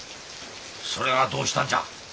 それがどうしたんじゃ？